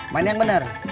main yang bener